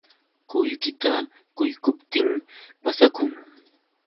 Qullqita quykuptin pasakun.